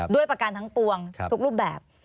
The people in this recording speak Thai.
ด้วยประกันทั้งตวงทุกรูปแบบ